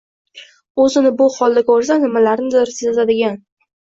O'zini bu holda ko'rsa, nimalarnidir sezadigan